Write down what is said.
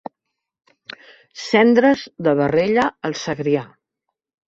Cendres de barrella al Segrià.